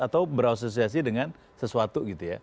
atau berasosiasi dengan sesuatu gitu ya